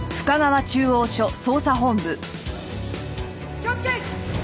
気をつけ！